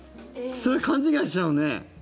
それ、勘違いしちゃうね。